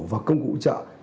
và công cụ hỗ trợ